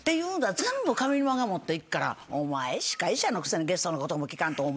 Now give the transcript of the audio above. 全部上沼が持っていくからお前司会者のくせにゲストのことも聞かんと。